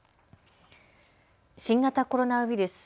新型コロナウイルス。